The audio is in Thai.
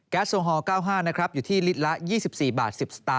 แก๊สโซฮอล๙๕อยู่ที่ลิตรละ๒๔๑๐บาท